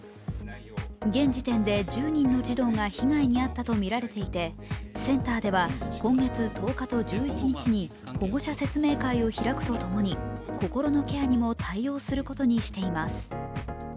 現時点で１０人の児童が被害に遭ったとみられていてセンターでは今月１０日と１１日に保護者説明会を開くとともに心のケアにも対応することにしています。